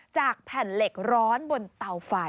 จากแผ่นเหล็กร้อนบนเตาไฟ